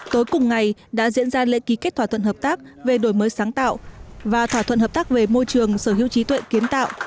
tối cùng ngày đã diễn ra lễ ký kết thỏa thuận hợp tác về đổi mới sáng tạo và thỏa thuận hợp tác về môi trường sở hữu trí tuệ kiến tạo